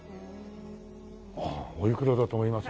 おいくらだと思います？